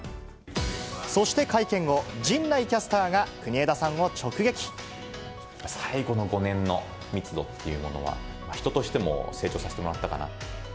そして会見後、最後の５年の密度っていうものは、人としても成長させてもらったかな。